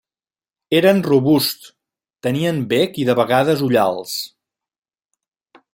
Eren robusts, tenien bec i, de vegades, ullals.